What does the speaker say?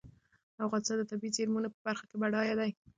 افغانستان د طبیعي زېرمونو په برخه کې بډای دی.